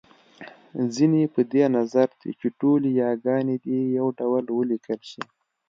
ځينې په دې نظر دی چې ټولې یاګانې دې يو ډول وليکل شي